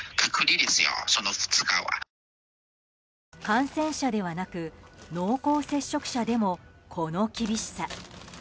感染者ではなく濃厚接触者でも、この厳しさ。